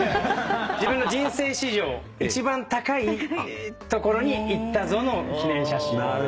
自分の人生史上一番高いところに行ったぞの記念写真。